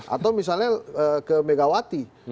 atau misalnya ke megawati